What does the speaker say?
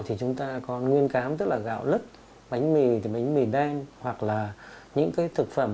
thì chúng ta còn nguyên cám tức là gạo lứt bánh mì thì bánh mì đan hoặc là những cái thực phẩm